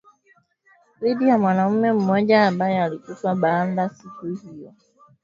dhidi ya mwanamme mmoja ambaye alikufa baadaye siku hiyo